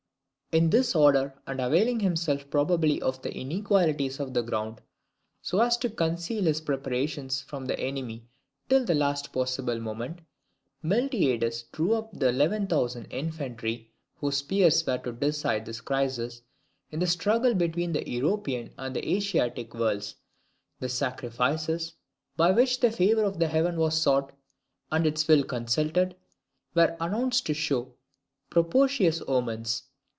] In this order, and availing himself probably of the inequalities of the ground, so as to conceal his preparations from the enemy till the last possible moment, Miltiades drew up the eleven thousand infantry whose spears were to decide this crisis in the struggle between the European and the Asiatic worlds. The sacrifices, by which the favour of Heaven was sought, and its will consulted, were announced to show propitious omens.